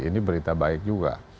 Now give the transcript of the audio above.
ini berita baik juga